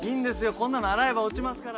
こんなの洗えば落ちますから。